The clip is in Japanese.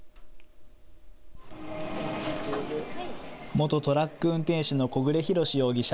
元トラック運転手の小暮洋史容疑者。